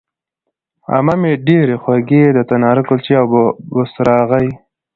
عمه مې ډېرې خوږې د تناره کلچې او بوسراغې